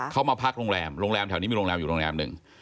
เขามาพักโรงแรมโรงแรมแถวนี้มีโรงแรมอยู่โรงแรมหนึ่ง